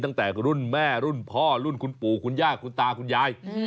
ตั้งแต่รุ่นแม่รุ่นพ่อรุ่นคุณปู่คุณย่าคุณตาคุณยาย